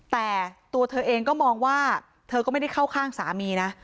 แต่ตัวเธอเองก็มองว่าเธอก็ไม่ได้เข้าข้างสามีนะ